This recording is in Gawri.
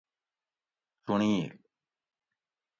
چُنڑیل :